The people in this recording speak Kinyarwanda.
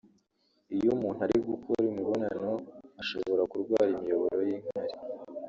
Iyo umuntu ari gukora imibonano ashobora kurwara imiyoboro y’inkari